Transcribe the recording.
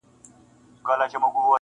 • بحثونه زياتېږي هره ورځ دلته تل..